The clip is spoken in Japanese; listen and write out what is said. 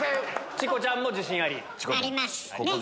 チコちゃんも自信あり？あります。